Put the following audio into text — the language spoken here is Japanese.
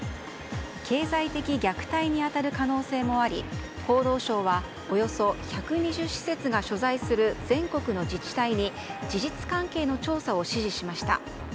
経済的虐待に当たる可能性もあり厚労省は、およそ１２０施設が所在する全国の自治体に事実関係の調査を指示しました。